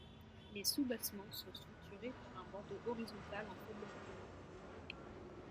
Les soubassements sont structurés par un bandeau horizontal en faible relief.